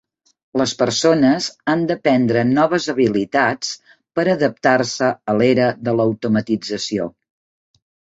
Les persones han d'aprendre noves habilitats per adaptar-se a l'era de l'automatització.